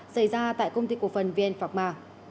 xảy ra tại công ty cổ phần vn phạc ma